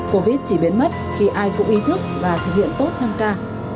covid chỉ biến mất khi ai cũng ý thức và thực hiện tốt năm ca